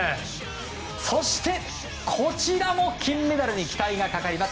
そして、こちらも金メダルに期待がかかります。